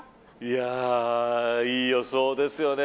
いい予想ですよね。